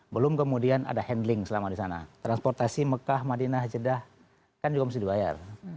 belum kemudian ada handling selama di sana transportasi mekah madinah jeddah kan juga mesti dibayar